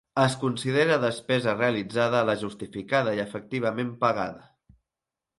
Es considera despesa realitzada la justificada i efectivament pagada.